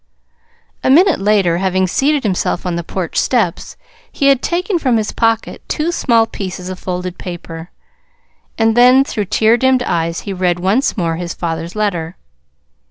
A minute later, having seated himself on the porch steps, he had taken from his pocket two small pieces of folded paper. And then, through tear dimmed eyes, he read once more his father's letter.